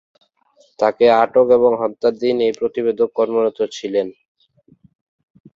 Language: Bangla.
তাকে আটক এবং হত্যার দিন এই প্রতিবেদক কর্মরত ছিলেন।